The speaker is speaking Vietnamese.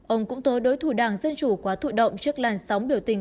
ông cũng tố đối thủ đảng dân chủ quá thụ động trước làn sóng biểu tình